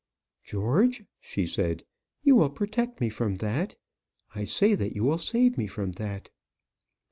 "George," she said, "you will protect me from that; I say that you will save me from that."